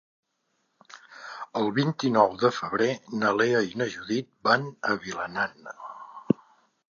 El vint-i-nou de febrer na Lea i na Judit van a Vilanant.